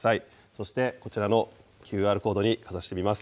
そしてこちらのＱＲコードにかざしてみます。